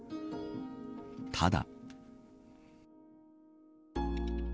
ただ。